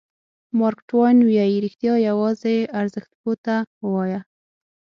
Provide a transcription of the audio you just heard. مارک ټواین وایي رښتیا یوازې ارزښت پوه ته ووایه.